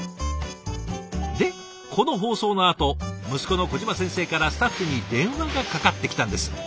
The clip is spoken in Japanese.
でこの放送のあと息子の小島先生からスタッフに電話がかかってきたんです。